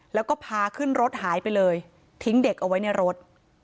แล้วก็พาขึ้นรถหายไปเลยทิ้งเด็กเอาไว้ในรถ